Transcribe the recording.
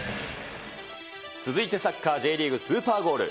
続いてサッカーＪリーグスーパーゴール。